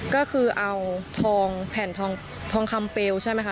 ก็คือเอาทองแผ่นทองคำเปลวใช่ไหมคะ